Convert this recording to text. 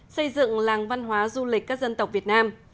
xây dựng làng văn hóa du lịch các dân tộc việt nam